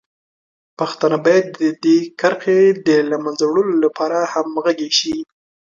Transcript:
پښتانه باید د دې کرښې د له منځه وړلو لپاره همغږي شي.